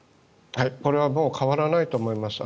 これはもう変わらないと思います。